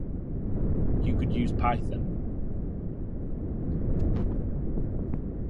You could use Python